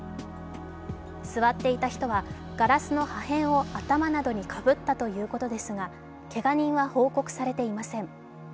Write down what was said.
座っていた人はガラスの破片を頭などにかぶったということですが、けが人は報告されていません。